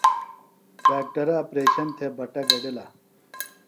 ڈاکٹرہ اپریشن تھےۡ بٹہ گڈِلہ۔